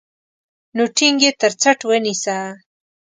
نو ټينګ يې تر څټ ونيسه.